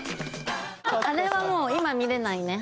あれはもう今見れないね。